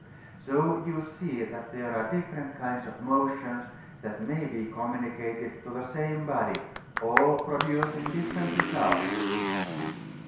So you see that there are different kinds of motion that may be communicated to the same body all producing different results.